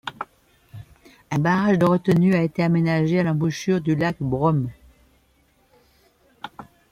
Un barrage de retenue a été aménagé à l'embouchure du lac Brown.